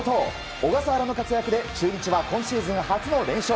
小笠原の活躍で中日は今シーズン初の連勝。